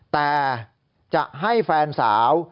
แต่จะให้แฟนสาว